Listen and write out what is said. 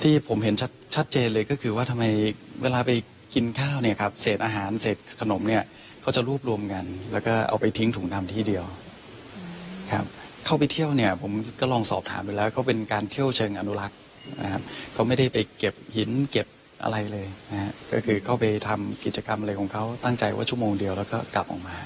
ที่ผมเห็นชัดเจนเลยก็คือว่าทำไมเวลาไปกินข้าวเนี่ยครับเศษอาหารเศษขนมเนี่ยเขาจะรวบรวมกันแล้วก็เอาไปทิ้งถุงดำที่เดียวครับเข้าไปเที่ยวเนี่ยผมก็ลองสอบถามดูแล้วก็เป็นการเที่ยวเชิงอนุรักษ์นะครับเขาไม่ได้ไปเก็บหินเก็บอะไรเลยนะฮะก็คือเข้าไปทำกิจกรรมอะไรของเขาตั้งใจว่าชั่วโมงเดียวแล้วก็กลับออกมา